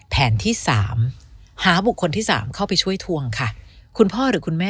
แผนที่๓หาบุคคลที่๓เข้าไปช่วยทวงค่ะ